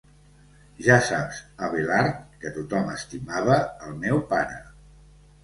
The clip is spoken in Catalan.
Ja saps, Abelard, que tothom estimava el meu pare.